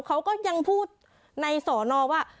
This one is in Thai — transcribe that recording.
เขาก็ยังพูดในสอนอว่า